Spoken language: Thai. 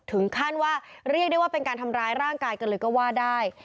ถึงขั้นว่าเรียกได้ว่าเป็นการทำร้ายร่างกายกันเลยก็ว่าได้